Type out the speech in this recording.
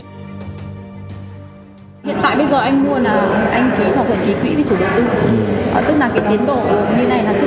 hiện tại bây giờ anh mua là anh ký thỏa thuận ký quỹ với chủ đầu tư